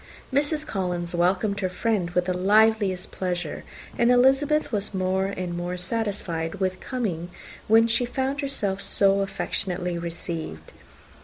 Mrs. Collins welcomed her friend with the liveliest pleasure, and Elizabeth was more and more satisfied with coming, when she found herself so affectionately received.